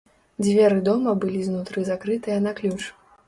Дзверы дома былі знутры закрытыя на ключ.